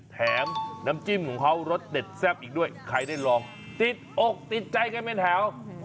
แถมน้ำจิ้มของเขารสเด็ดแซ่บอีกด้วยใครได้ลองติดอกติดใจกันเป็นแถว